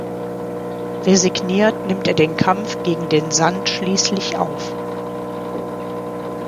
Resigniert nimmt er den Kampf gegen den Sand schließlich auf.